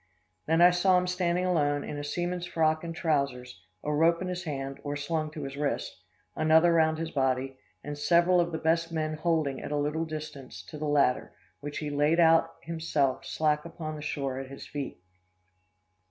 Then I saw him standing alone, in a seaman's frock and trousers, a rope in his hand, or slung to his wrist; another round his body, and several of the best men, holding, at a little distance, to the latter, which he laid out himself, slack upon the shore, at his feet.